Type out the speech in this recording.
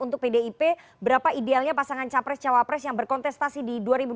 untuk pdip berapa idealnya pasangan capres cawapres yang berkontestasi di dua ribu dua puluh